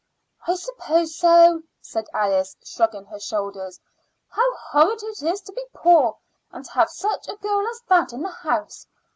"I suppose so," said Alice, shrugging her shoulders. "How horrid it is to be poor, and to have such a girl as that in the house!